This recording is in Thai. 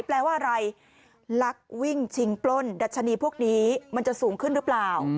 แปลว่าอะไรลักวิ่งชิงปล้นดัชนีพวกนี้มันจะสูงขึ้นหรือเปล่า